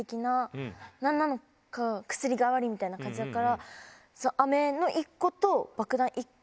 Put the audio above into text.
薬代わりみたいな感じだから。